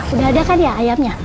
udah ada kan ya ayamnya